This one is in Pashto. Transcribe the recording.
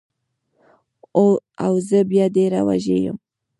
او زه بیا ډېره وږې یم